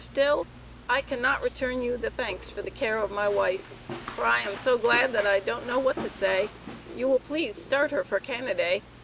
Still, I cannot return you the thanks for the care of my wife, for I am so Glad that I don't now what to say, you will pleas start her for canaday.